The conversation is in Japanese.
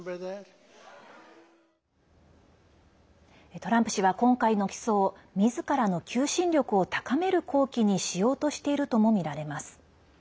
トランプ氏は今回の起訴をみずからの求心力を高める好機にしようとしているともみられます。